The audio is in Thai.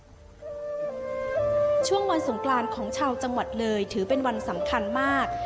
ช่วงวันสงกรานของชาวจังหวัดเลยถือเป็นวันสำคัญมาก